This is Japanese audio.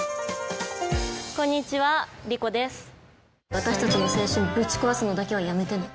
私たちの青春ぶち壊すのだけはやめてね。